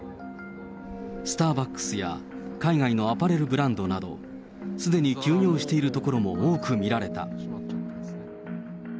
スターバックスや、海外のアパレルブランドなど、すでに休業している所も多く見られた。